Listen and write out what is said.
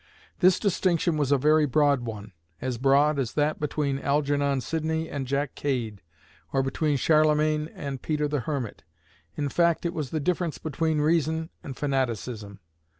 This distinction was a very broad one; as broad as that between Algernon Sidney and Jack Cade; or between Charlemagne and Peter the Hermit in fact, it was the difference between Reason and Fanaticism.